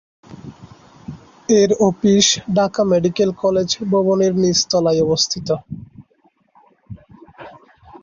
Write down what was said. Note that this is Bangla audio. এর অফিস ঢাকা মেডিকেল কলেজ ভবনের নিচতলায় অবস্থিত।